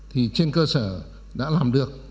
thì trên cơ sở đã làm được